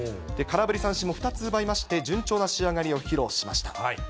空振り三振も２つ奪いまして、順調な仕上がりを披露しました。